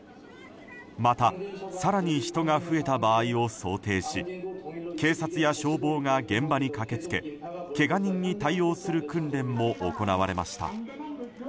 また、更に人が増えた場合を想定し警察や消防が現場に駆け付けけが人に対応する訓練も行われました。